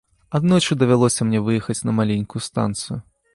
Аднойчы давялося мне выехаць на маленькую станцыю.